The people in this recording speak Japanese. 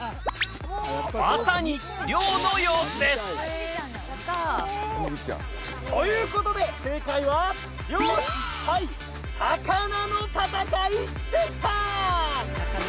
まさに漁の様子ですということで正解は「漁師対魚の戦い」でした！